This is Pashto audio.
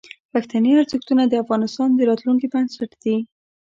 پښتني ارزښتونه د افغانستان د راتلونکي بنسټ دي.